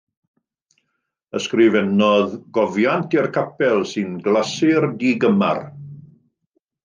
Ysgrifennodd gofiant i'r capel sy'n glasur digymar.